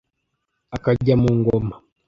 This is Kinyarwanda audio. Akajya mu ngoma.